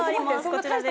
こちらです。